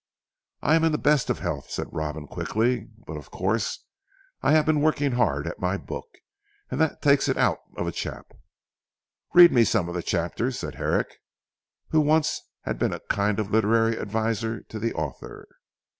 "I am in the best of health," said Robin quickly. "But of course I have been working hard at my book, and that takes it out of a chap." "Read me some of the chapters," said Herrick, who once had been a kind of literary adviser to the author.